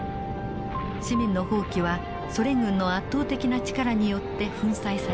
市民の蜂起はソ連軍の圧倒的な力によって粉砕されたのです。